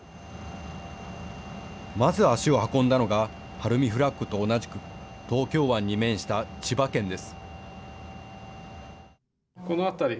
まず足を運んだのがＨＡＲＵＭＩＦＬＡＧと同じく東京湾に面した千葉県です。